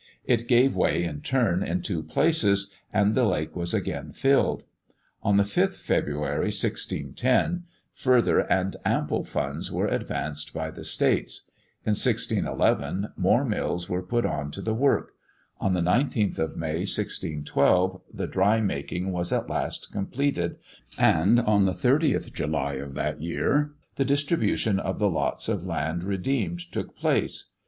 It gave way in turn in two places, and the lake was again filled. On the 5th February 1610, further and ample funds were advanced by the States; in 1611, more mills were put on to the work; on the 19th of May 1612, the dry making was at last completed; and on the 30th July of that year, the distribution of the lots of land redeemed took place.